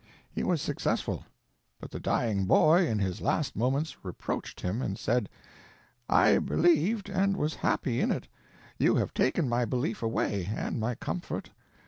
He was successful. But the dying boy, in his last moments, reproached him and said: "_I believed, and was happy in it; you have taken my belief away, and my comfort.